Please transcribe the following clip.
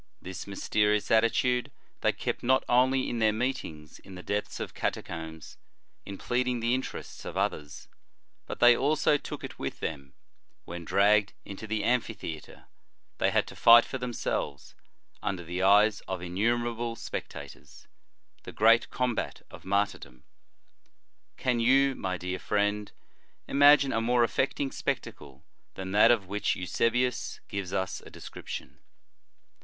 This mysterious attitude they kept not only in their meetings in the depths of catacombs, in pleading the interests of others, but they also took it with them, when, dragged into the amphitheatre, they had to fight for themselves, under the eyes of innumerable spectators, the great combat of martyrdom. Can you, my dear friend, imagine a more affecting spectacle than that of which Eusebius gives us a description